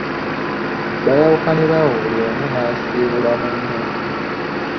Baayawukanira awo buli omu n'asiibula munne.